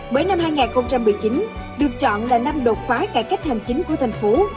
bởi năm hai nghìn một mươi chín được chọn là năm đột phá cải cách hành chính của thành phố